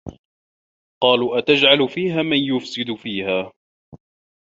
ۖ قَالُوا أَتَجْعَلُ فِيهَا مَنْ يُفْسِدُ فِيهَا